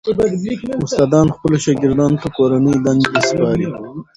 استادان خپلو شاګردانو ته کورنۍ دندې سپاري.